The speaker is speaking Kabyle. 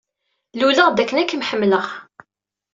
Luleɣ-d akken ad kem-ḥemmleɣ.